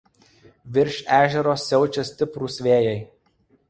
Virš ežero siaučia stiprūs vėjai.